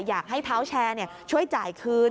อยากให้เท้าแชร์ช่วยจ่ายคืน